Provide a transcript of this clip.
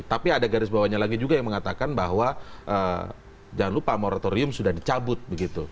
tapi ada garis bawahnya lagi juga yang mengatakan bahwa jangan lupa moratorium sudah dicabut begitu